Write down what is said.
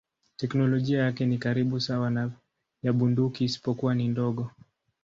Teknolojia yake ni karibu sawa na ya bunduki isipokuwa ni ndogo.